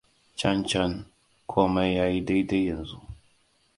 Can, can. Komai ya yi dai-dai yanzu.